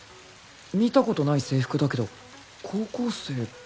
見たことない制服だけど高校生だよな？